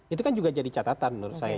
itu kan juga jadi catatan menurut saya